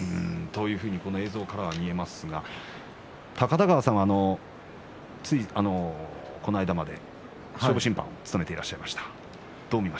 そのようにこの映像からは見えますが高田川さん、ついこの間まで勝負審判を務めていらっしゃいました。